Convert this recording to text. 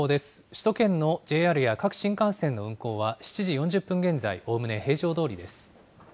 首都圏のＪＲや各新幹線の運行は、７時４０分現在、おおむね平常どおりです。